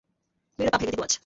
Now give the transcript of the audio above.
মেরে পা ভেঙে দিবো আজ।